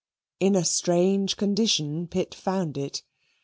In a strange condition Pitt found it.